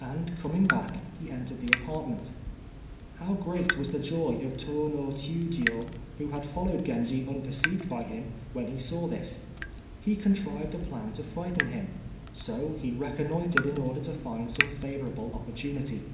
and coming back, he entered the apartment. How great was the joy of Tô no Chiûjiô, who had followed Genji unperceived by him, when he saw this. He contrived a plan to frighten him, so he reconnoitred in order to find some favorable opportunity.